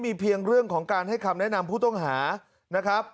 มีเพียงเรื่องของการให้คำแนะนำผู้ต้องหานะครับ